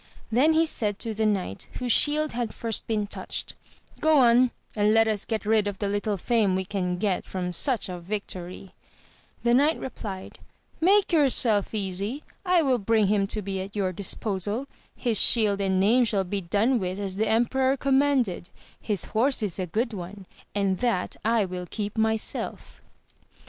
then he said to the knight, whose shield had first been touched, Go on, and let us get rid of the little fame we can get from such a yio AMADIS OF GAUL. 5 toiy ! the knight replied, Make yourself easy ! I will bring him to be at your disposal ; his shield and name shall be done with as the emperor commanded : his horse is a good one, and that I will keep myself.